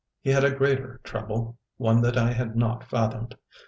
He had a greater trouble, one that I had not fathomed.